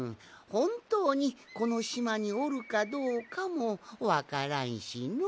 ほんとうにこのしまにおるかどうかもわからんしのう。